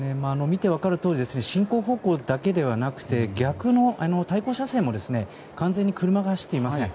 見て分かるとおり進行方向だけではなくて対向車線も完全に車が走っていません。